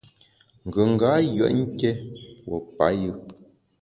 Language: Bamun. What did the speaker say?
Ngùnga yùet nké pue payù.